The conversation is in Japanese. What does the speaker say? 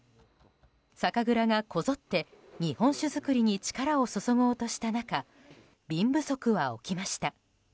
酒蔵がこぞって日本酒造りに力を注ごうとした中瓶不足は起きました。